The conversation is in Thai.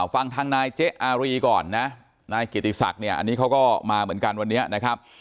ฟังทางนายเจ๊อารีก่อนนะนายเกียรติศักดิ์เนี่ยอันนี้เขาก็มาเหมือนกันวันนี้นะครับ